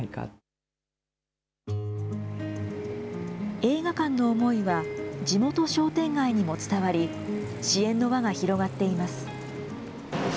映画館の思いは、地元商店街にも伝わり、支援の輪が広がっています。